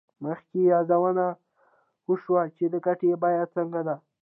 مخکې یادونه وشوه چې د ګټې بیه څنګه ده